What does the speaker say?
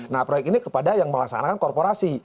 nah proyek ini kepada yang melaksanakan korporasi